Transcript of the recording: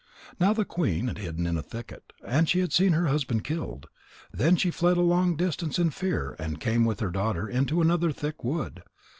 Now the queen had hidden in a thicket, and had seen her husband killed. Then she fled a long distance in fear and came with her daughter into another thick wood.